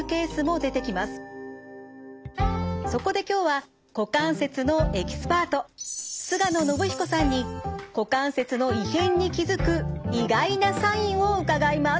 そこで今日は股関節のエキスパート菅野伸彦さんに股関節の異変に気付く意外なサインを伺います。